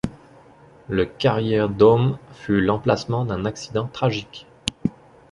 Le Carrier Dome fut l'emplacement d'un accident tragique.